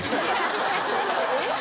えっ？